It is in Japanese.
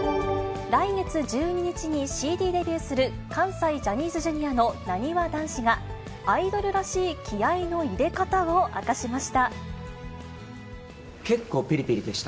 来月１２日にＣＤデビューする、関西ジャニーズＪｒ．のなにわ男子が、アイドルらしい気合いの入れ方を明かしました。